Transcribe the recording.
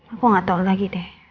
aku gak tau lagi deh